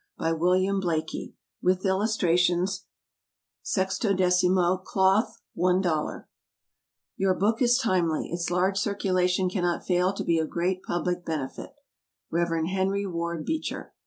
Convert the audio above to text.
= By WILLIAM BLAIKIE. With Illustrations. 16mo, Cloth, $1.00. Your book is timely. Its large circulation cannot fail to be of great public benefit. Rev. HENRY WARD BEECHER.